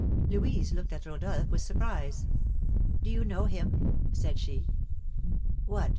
Louise looked at Rodolph with surprise. "Do you know him?" said she. "What!